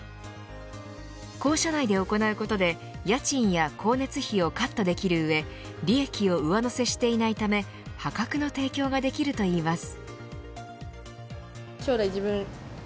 校舎内で行うことで家賃や光熱費をカットできる上利益を上乗せしていないため破格の提供ができるといいます。